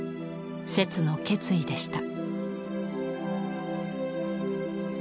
摂の決意でした。